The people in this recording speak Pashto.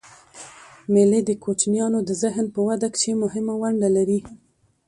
مېلې د کوچنيانو د ذهن په وده کښي مهمه ونډه لري.